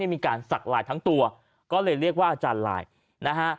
มีการสักลายทั้งตัวก็เลยเรียกว่าอาจารย์ลายนะฮะ